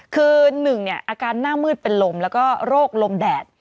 คือ๑อาการหน้ามืดเป็นลมแล้วก็โรคลมแดด